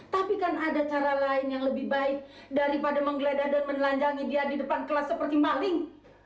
tapi kan ada cara lain yang lebih baik daripada menggeledah dan menelanjangi dia di depan kelas seperti maling